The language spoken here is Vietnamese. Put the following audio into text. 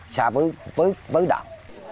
xa với đạo